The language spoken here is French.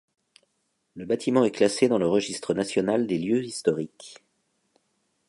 Le bâtiment est classé dans le Registre national des lieux historiques.